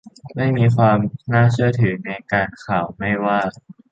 ไม่มีความน่าเชื่อถือในการข่าวไม่ว่า